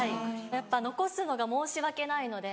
やっぱ残すのが申し訳ないので。